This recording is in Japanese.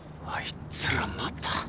あいつらまた。